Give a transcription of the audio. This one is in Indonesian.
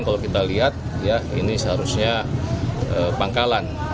kalau kita lihat ya ini seharusnya pangkalan